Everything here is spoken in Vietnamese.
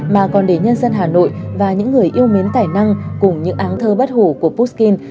mà còn để nhân dân hà nội và những người yêu mến tài năng cùng những áng thơ bất hủ của puskin